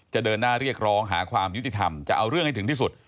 เดินหน้าเรียกร้องหาความยุติธรรมจะเอาเรื่องให้ถึงที่สุด